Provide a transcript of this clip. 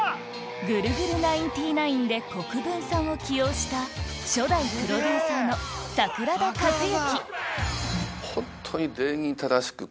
『ぐるぐるナインティナイン』で国分さんを起用した初代プロデューサーの桜田和之